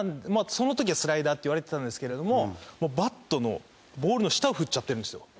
その時はスライダーっていわれてたんですけれどもバットのボールの下を振っちゃってるんですよ。